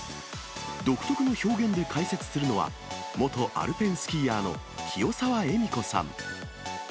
独特の表現で解説するのは、元アルペンスキーヤーの清澤恵美子さん。